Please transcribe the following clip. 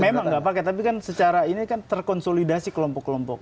memang nggak pakai tapi kan secara ini kan terkonsolidasi kelompok kelompok